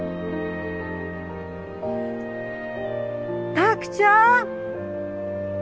卓ちゃん！